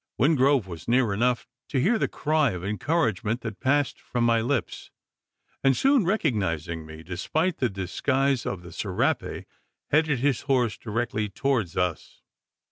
Wingrove was near enough to hear the cry of encouragement that passed from my lips; and, soon recognising me, despite the disguise of the serape, headed his horse directly towards us.